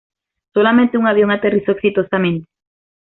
Solamente un avión aterrizó exitosamente.